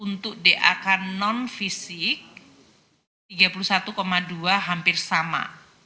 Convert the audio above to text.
untuk dak non fisik tiga puluh satu dua hampir sama